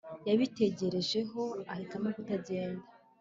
yabitekerejeho ahitamo kutagenda